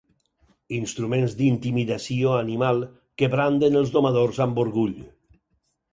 Instruments d'intimidació animal que branden els domadors amb orgull.